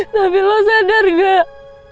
tapi lo sadar gak